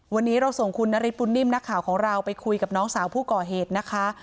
วันนี้เราส่งคุณนฤทธบุญนิ่มนักข่าวของเราไปคุยกับน้องสาวผู้ก่อเหตุนะคะ